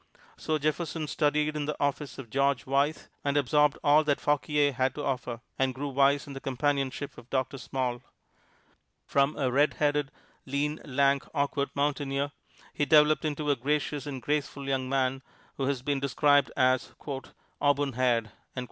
So Jefferson studied in the office of George Wythe, and absorbed all that Fauquier had to offer, and grew wise in the companionship of Doctor Small. From a red headed, lean, lank, awkward mountaineer, he developed into a gracious and graceful young man who has been described as "auburn haired."